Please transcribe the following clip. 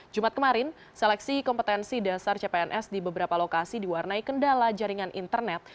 jumat kemarin seleksi kompetensi dasar cpns di beberapa lokasi diwarnai kendala jaringan internet